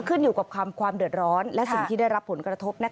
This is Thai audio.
ขึ้นอยู่กับความเดือดร้อนและสิ่งที่ได้รับผลกระทบ